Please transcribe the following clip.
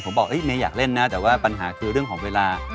ผมบอกเมย์อยากเล่นนะแต่ว่าปัญหาคือเรื่องของเวลา